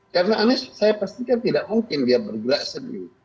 karena anis saya pastikan tidak mungkin dia bergerak sendiri